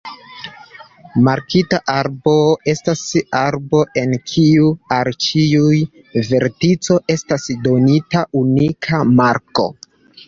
Markita arbo estas arbo en kiu al ĉiu vertico estas donita unika marko.